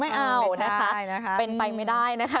ไม่เอานะคะเป็นไปไม่ได้นะคะ